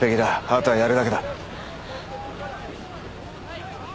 あとはやるだけだ。